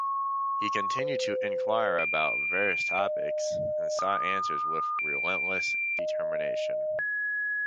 He continued to inquire about various topics and sought answers with relentless determination.